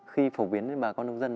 khi phổ biến với bà con nông dân